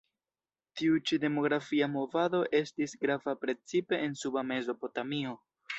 Tiu ĉi demografia movado estis grava precipe en Suba Mezopotamio.